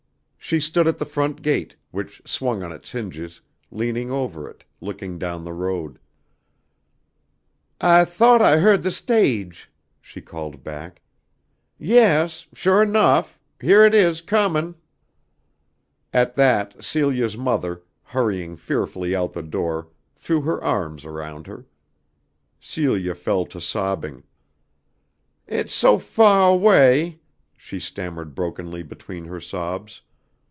She stood at the front gate, which swung on its hinges, leaning over it, looking down the road. "I thoat I heahd the stage," she called back. "Yes. Suah enuf. Heah it is, comin'." At that Celia's mother, hurrying fearfully out the door, threw her arms around her. Celia fell to sobbing. "It's so fah away," she stammered brokenly, between her sobs.